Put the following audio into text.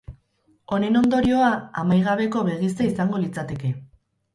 Honen ondorioa amaigabeko begizta izango litzateke.